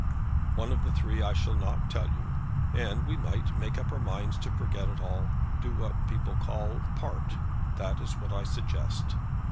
"One of the three I shall not tell you. And we might make up our minds to forget it all. Do what the people call, part. That is what I suggest."